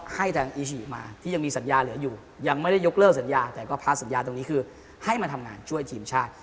ให้มาทำงานช่วยทีมชาติ